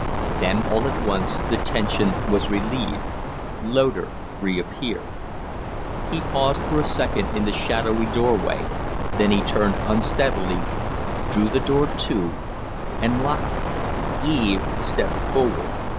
Then all at once the tension was relieved.. Loder reappeared. He paused for a second in the shadowy door way; then he turned unsteadily, drew the door to, and locked; it. Eve stepped forward.